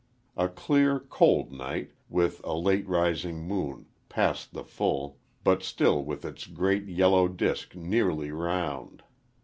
A clear, cold night, with a late rising moon, past the full, but still with its great yellow disk nearly round.